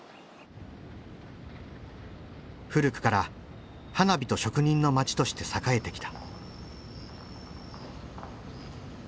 古くから花火と職人の町として栄えてきた。